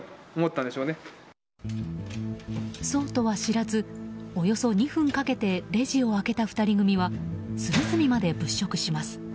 そうとは知らずおよそ２分かけてレジを開けた２人組は隅々まで物色します。